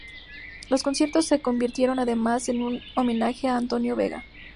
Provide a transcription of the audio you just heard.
Los conciertos se convirtieron además en un homenaje a Antonio Vega.